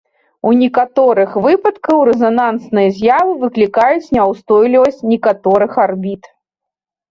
У некаторых выпадках рэзанансныя з'явы выклікаюць няўстойлівасць некаторых арбіт.